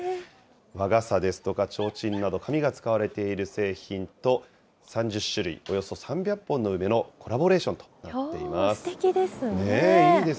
和傘ですとかちょうちんなど、紙が使われている製品と、３０種類およそ３００本の梅のコラボレーションとなっています。